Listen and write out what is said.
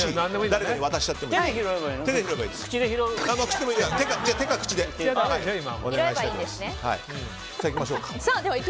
誰かに渡しちゃってもいい。